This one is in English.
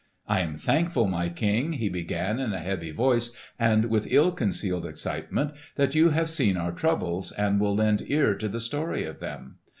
"I am thankful, my King," he began in a heavy voice and with ill concealed excitement, "that you have seen our troubles and will lend ear to the story of them.